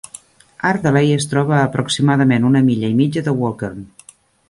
Ardeley es troba a aproximadament una milla i mitja de Walkern.